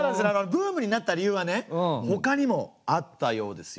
ブームになった理由はねほかにもあったようですよ。